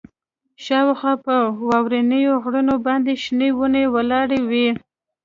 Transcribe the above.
شاوخوا په واورینو غرونو باندې شنې ونې ولاړې وې